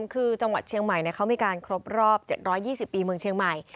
คือจังหวัดเชียงใหม่เขามีการครบรอบ๗๒๐ปีเมืองเชียงใหม่